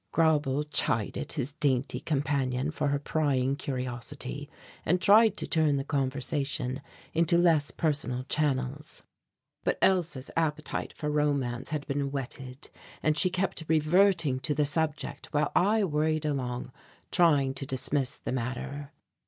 Grauble chided his dainty companion for her prying curiosity and tried to turn the conversation into less personal channels. But Elsa's appetite for romance had been whetted and she kept reverting to the subject while I worried along trying to dismiss the matter.